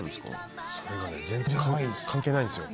それがね全然関係ないんですよ。